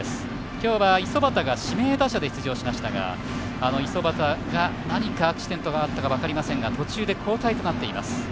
今日は五十幡が指名打者で出場しましたが五十幡が、何かアクシデントがあったか分かりませんが途中で交代となっています。